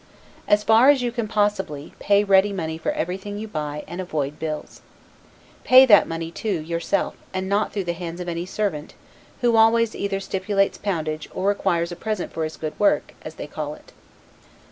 As far as you can possibly, pay ready money for everything you buy and avoid bills. Pay that money, too, yourself, and not through the hands of any servant, who always either stipulates poundage, or requires a present for his good word, as they call it.